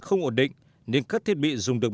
không ổn định nên các thiết bị dùng được